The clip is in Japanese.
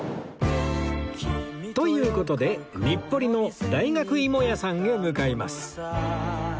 という事で日暮里の大学芋屋さんへ向かいます